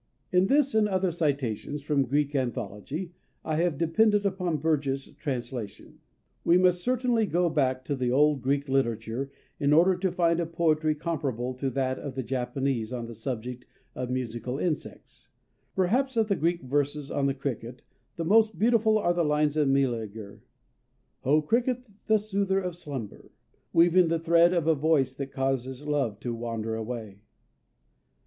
_" In this and other citations from the Greek anthology, I have depended upon Burges' translation. And we must certainly go back to the old Greek literature in order to find a poetry comparable to that of the Japanese on the subject of musical insects. Perhaps of Greek verses on the cricket, the most beautiful are the lines of Meleager: "_O cricket, the soother of slumber ... weaving the thread of a voice that causes love to wander away!